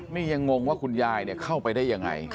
นี่ยังงงว่าคุณยายเข้าไปได้ยังไง